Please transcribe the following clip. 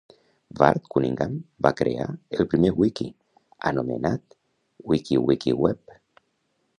Ward Cunningham va crear, el primer wiki, anomenat WikiWikiWeb